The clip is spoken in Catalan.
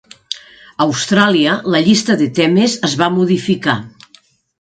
A Austràlia, la llista de temes es va modificar.